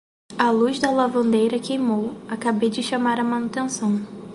A luz da lavanderia queimou, acabei de chamar a manutenção.